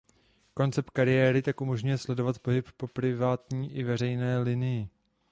Koncept kariéry tak umožňuje sledovat pohyb po "privátní i veřejné" linii.